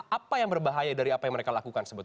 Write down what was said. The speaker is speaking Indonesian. apa yang berbahaya dari apa yang mereka lakukan